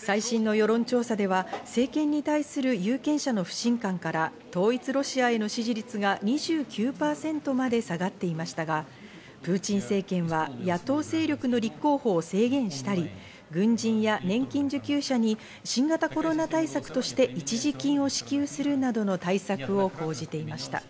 最新の世論調査では、政権に対する有権者の不信感から統一ロシアへの支持率が２９％まで下がっていましたが、プーチン政権は、野党勢力の立候補者を制限したり、軍人や年金受給者に新型コロナ対策として一時金を支給するなどの対策を講じていました。